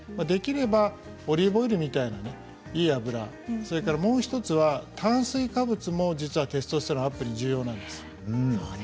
できればオリーブオイルみたいないい油それからもう１つは炭水化物も実はテストステロンアップに重要なんです。